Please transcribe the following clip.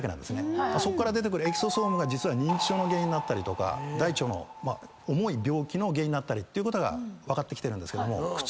そっから出てくるエクソソームが実は認知症の原因になったりとか大腸の重い病気の原因になったりっていうことが分かってきてるんですけども。